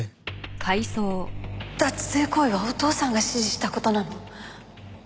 脱税行為はお父さんが指示した事なの？